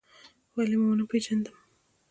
ولې و مو نه پېژندم؟